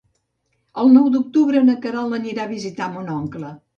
El nou d'octubre na Queralt anirà a visitar mon oncle.